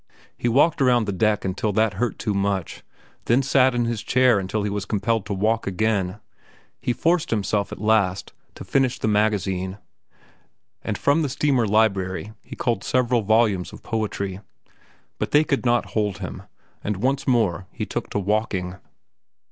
He walked around the deck until that hurt too much, then sat in his chair until he was compelled to walk again. He forced himself at last to finish the magazine, and from the steamer library he culled several volumes of poetry. But they could not hold him, and once more he took to walking.